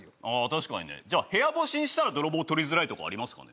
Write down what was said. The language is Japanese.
確かにねじゃあ部屋干ししたら泥棒とりづらいとかありますかね？